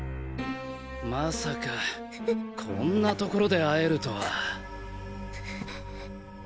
まさかこんな所で会えるとは。